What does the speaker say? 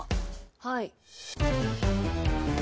はい。